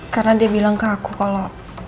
karena dia bilang ke aku kalo